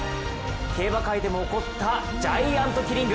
競馬界でも起こったジャイアントキリング。